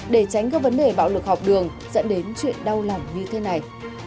để tránh các vấn đề bạo lực học đường dẫn đến chuyện đau lòng như thế này